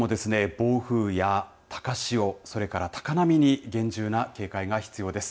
暴風や高潮それから高波に厳重な警戒が必要です。